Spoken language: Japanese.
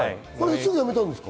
すぐ辞めたんですか？